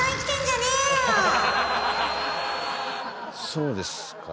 そうですか。